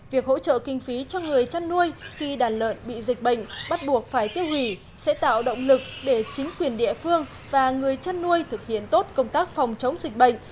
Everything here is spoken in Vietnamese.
việc hỗ trợ kinh phí cho người chăn nuôi khi đàn lợn bị dịch bệnh bắt buộc phải tiêu hủy sẽ tạo động lực để chính quyền địa phương và người chăn nuôi thực hiện tốt công tác phòng chống dịch bệnh